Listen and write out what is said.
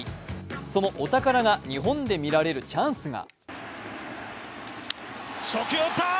そのお宝が日本で見られるチャンスが。